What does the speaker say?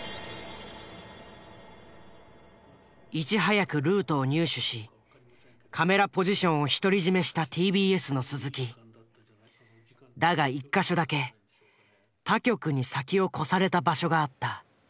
いち早くルートを入手しカメラポジションを独り占めしただが１か所だけ他局に先を越された場所があった。